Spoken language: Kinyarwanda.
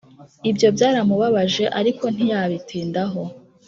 ibyo byaramubabaje ariko ntiyabitindaho